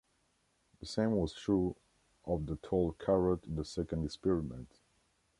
The same was true of the tall carrot in the second experiment.